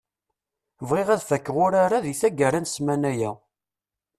Bɣiɣ ad fakkeɣ urar-a di taggara n ssmana-ya.